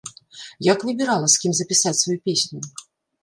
Як выбірала, з кім запісаць сваю песню?